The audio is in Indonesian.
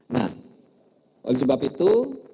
nah oleh sebab itu